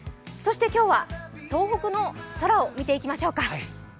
今日は東北の空を見ていきましょうか。